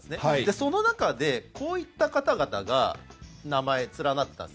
その中で、こういった方々が名前連なったんです。